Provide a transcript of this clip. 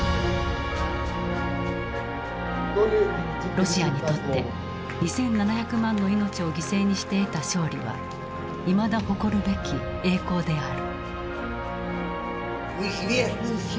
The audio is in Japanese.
ロシアにとって２７００万の命を犠牲にして得た勝利はいまだ誇るべき「栄光」である。